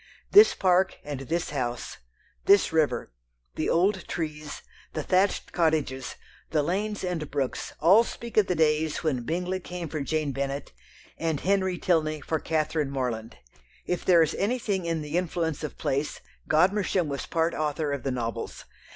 This park and this house, this river, the old trees, the thatched cottages, the lanes and brooks all speak of the days when Bingley came for Jane Bennet, and Henry Tilney for Catherine Morland. If there is anything in the influence of place, Godmersham was part author of the novels.